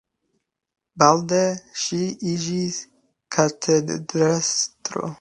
Baldaŭe ŝi iĝis katedrestro.